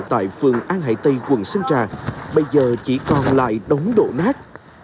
tại phường an hải tây quận sơn trà bây giờ chỉ còn lại đống đổ nát